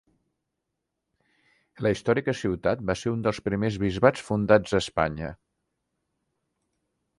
La històrica ciutat va ser un dels primers bisbats fundats a Espanya.